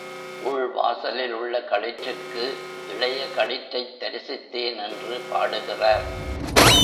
உள் வாசலில் உள்ள களிற்றுக்கு இளைய களிற்றைத் தரிசித்தேன் என்று பாடுகிறார்.